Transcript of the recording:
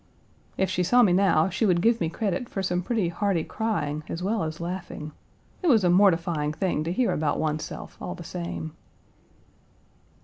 If she saw me now she would give me credit for some pretty hearty crying as well as laughing. It was a mortifying thing to hear about one's self, all the same.